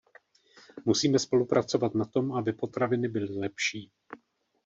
Musíme spolupracovat na tom, aby potraviny byly lepší.